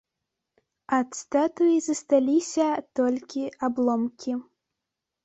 Ад статуі засталіся толькі абломкі.